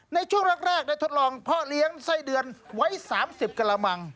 ในช่วงแรกได้ทดลองพ่อเลี้ยงไส้เดือนไว้๓๐กระมัง